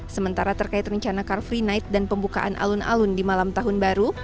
sementara terkait rencana car free night dan pembukaan alun alun di malam tahun baru